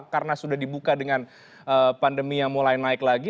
karena sudah dibuka dengan pandemi yang mulai naik lagi